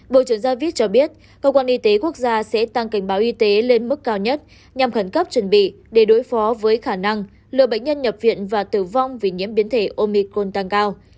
bộ trưởng javid cho biết công an y tế quốc gia sẽ tăng cảnh báo y tế lên mức cao nhất nhằm khẩn cấp chuẩn bị để đối phó với khả năng lừa bệnh nhân nhập viện và tử vong vì nhiễm biến thể omicron tăng cao